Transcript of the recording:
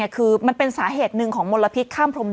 คือมันเป็นสาเหตุหนึ่งของมลพิษ